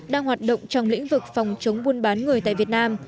đang hoạt động trong lĩnh vực phòng chống buôn bán người tại việt nam